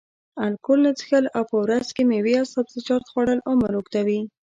الکول نه څښل او په ورځ کې میوې او سبزیجات خوړل عمر اوږدوي.